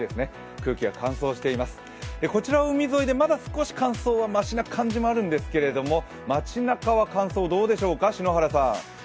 空気が乾燥しています、こちら海沿いでまだ少し乾燥はましな感じはあるんですけど、街なかは乾燥、どうでしょうか？